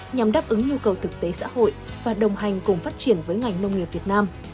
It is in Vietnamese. nhằm đáp ứng nhu cầu thực tế xã hội và đồng hành cùng phát triển với ngành nông nghiệp việt nam